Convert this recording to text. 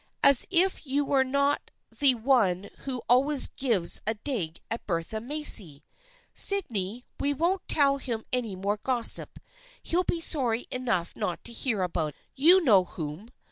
"As if you were not the one who always gives a dig at Bertha Macy ! Sydney, we won't tell him any more gossip. He'll be sorry enough not to hear about — you know whom